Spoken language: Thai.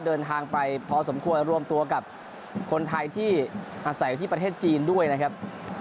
เดินทางไปพอสมควรรวมตัวกับคนไทยที่อาศัยอยู่ที่ประเทศจีนด้วยนะครับ